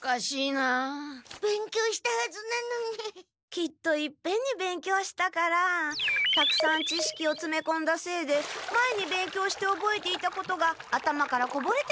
きっといっぺんに勉強したからたくさんちしきをつめこんだせいで前に勉強しておぼえていたことが頭からこぼれてしまったのかも。